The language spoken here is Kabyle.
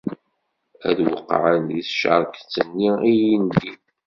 Ad weqɛen di tcerket-nni i iyi-ndin.